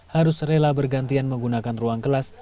harus rela bergantian menggunakan ruang kelas